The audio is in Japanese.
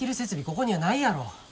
ここにはないやろ。